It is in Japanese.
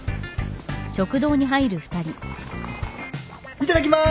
いただきまーす！